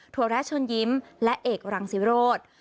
ถั่วแรกเชิญยิ้มและเอกรังศิลปิโรธ